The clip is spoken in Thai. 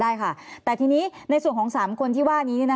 ได้ค่ะแต่ทีนี้ในส่วนของ๓คนที่ว่านี้